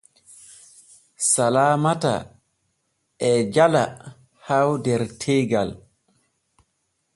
Salmata e jala Hawwq der teegal.